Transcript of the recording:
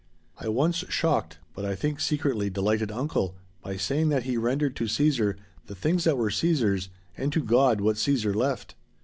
I once shocked, but I think secretly delighted uncle, by saying that he rendered to Caesar the things that were Caesar's and to God what Caesar left.